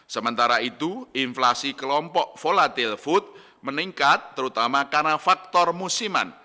sementara itu inflasi kelompok volatil food meningkat terutama karena faktor musiman